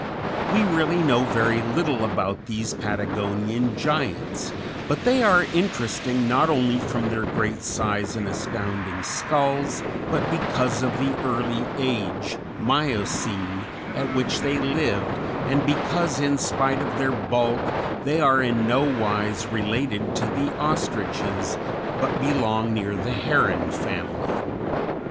] We really know very little about these Patagonian giants, but they are interesting not only from their great size and astounding skulls, but because of the early age (Miocene) at which they lived and because in spite of their bulk they are in nowise related to the ostriches, but belong near the heron family.